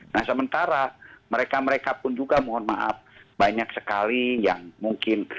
nah sementara mereka mereka pun juga mohon maaf banyak sekali yang mungkin